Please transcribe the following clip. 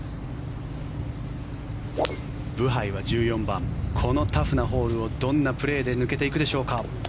ブハイは１４番このタフなホールをどんなプレーで抜けていくでしょうか。